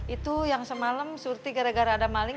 itu yang semalam surti gara gara ada maling